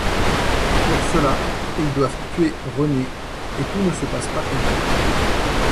Pour cela, ils doivent tuer Renée et tout ne se passe pas comme prévu.